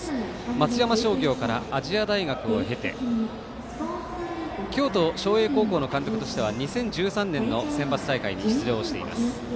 松山商業から亜細亜大学を経て京都翔英高校の監督としては２０１３年のセンバツ大会に出場しています。